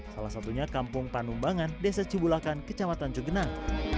salah satunya kampung panumbangan desa cibulakan kecamatan cugenang